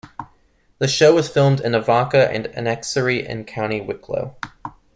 The show was filmed in Avoca and Enniskerry in County Wicklow.